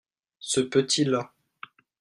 ce petit-là.